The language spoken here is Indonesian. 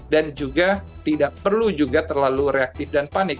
dan juga tidak perlu juga terlalu reaktif dan panik